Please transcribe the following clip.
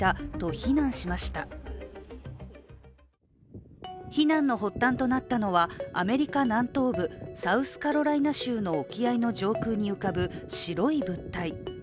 非難の発端となったのは、アメリカ南東部サウスカロライナ州の沖合の上空に浮かぶ白い物体。